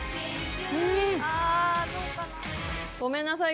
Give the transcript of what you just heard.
ごめんなさい。